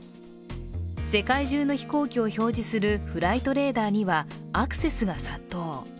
世界中の飛行機を表示するフライトレーダーにはアクセスが殺到。